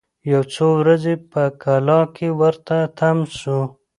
یو څو ورځي په کلا کي ورته تم سو